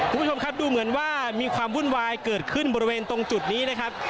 คุณผู้ชมครับดูเหมือนว่ามีความวุ่นวายเกิดขึ้นบริเวณตรงจุดนี้นะครับ